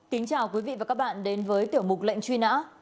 kính chào quý vị và các bạn đến với tiểu mục lệnh truy nã